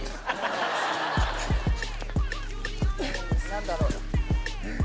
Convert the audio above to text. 何だろう？